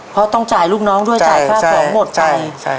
เพราะต้องจ่ายลูกน้องด้วยจ่ายค่าของหมดไป